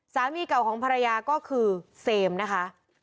สามีเก่าของภรรยาก็คือเซมนะคะ